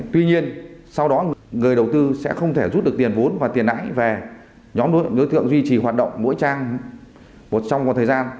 tuy nhiên sau đó người đầu tư sẽ không thể rút được tiền vốn và tiền nãi về nhóm đối tượng duy trì hoạt động mỗi trang một trong một thời gian